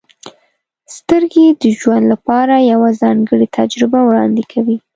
• سترګې د ژوند لپاره یوه ځانګړې تجربه وړاندې کوي.